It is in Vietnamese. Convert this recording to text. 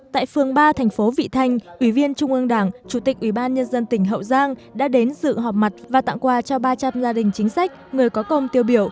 tại phường ba thành phố vị thanh ủy viên trung ương đảng chủ tịch ủy ban nhân dân tỉnh hậu giang đã đến dự họp mặt và tặng quà cho ba trăm linh gia đình chính sách người có công tiêu biểu